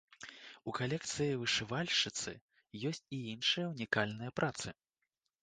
У калекцыі вышывальшчыцы ёсць і іншыя унікальныя працы.